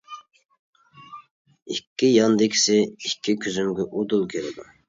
ئىككى ياندىكىسى ئىككى كۆزۈمگە ئۇدۇل كېلىدۇ.